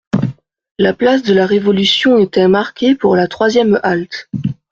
La place de la Révolution était marquée pour la troisième halte.